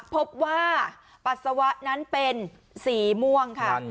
พบว่าปัสสาวะนั้นเป็นสีม่วงค่ะ